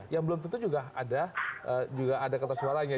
yang belum tentu juga ada kertas suaranya